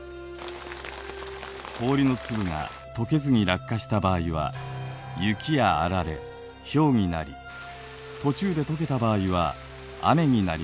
氷の粒がとけずに落下した場合は雪やあられひょうになり途中でとけた場合は雨になります。